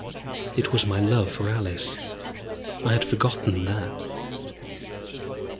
It was my love for Alice I had forgotten that!